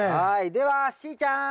ではしーちゃん！